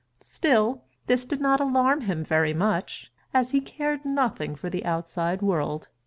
Still, this did not alarm him very much, as he cared nothing for the outside world.